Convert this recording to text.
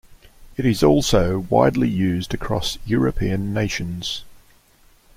It is also widely used across European nations.